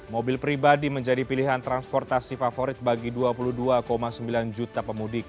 mobil pribadi menjadi pilihan transportasi favorit bagi dua puluh dua sembilan juta pemudik